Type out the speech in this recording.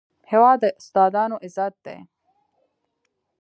هېواد د استادانو عزت دی.